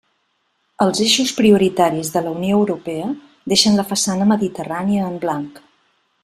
Els eixos prioritaris de la Unió Europea deixen la façana mediterrània en blanc.